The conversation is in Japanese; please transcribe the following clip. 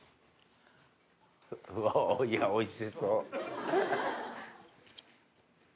うわおいしそう。